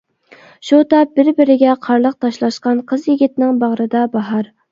شۇ تاپ، بىر-بىرىگە قارلىق تاشلاشقان، قىز-يىگىتنىڭ باغرىدا باھار.